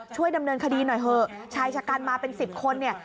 ช่วยดำเนินคดีหน่อยเถอะชายชะกันมาเป็นสิบคนเนี่ย